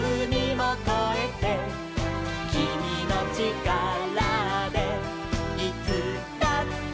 「きみのちからでいつだって」